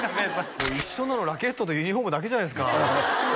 もう一緒なのラケットとユニフォームだけじゃないですか